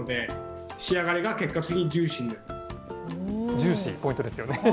ジューシー、ポイントですよね。